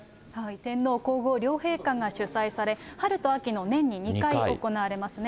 天皇皇后両陛下が主催され、春と秋の年に２回行われますね。